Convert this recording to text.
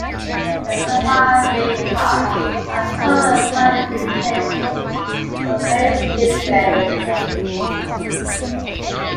The surviving parts are somewhat fragmented in places, but many still bear the name.